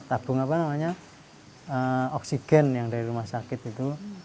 tabung oksigen yang dari rumah sakit itu